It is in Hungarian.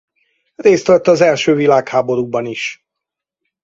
Részt vett az első világháborúban is.